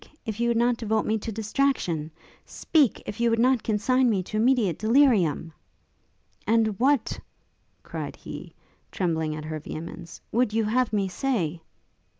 if you would not devote me to distraction! Speak! if you would not consign me to immediate delirium!' 'And what,' cried he, trembling at her vehemence, 'would you have me say?'